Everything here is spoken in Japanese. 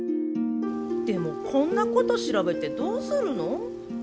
でもこんなこと調べてどうするの？